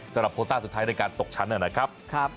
สำหรับโคต้าสุดท้ายในการตกชั้นนั่นนะครับ